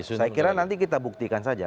saya kira nanti kita buktikan saja